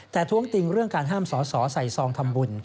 แต่ท้วงติงเรื่องการห้ามสอสอใส่ซองทำบุญ